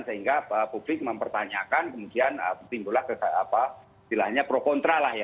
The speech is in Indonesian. sehingga publik mempertanyakan kemudian timbulah ke silahannya pro kontra lah ya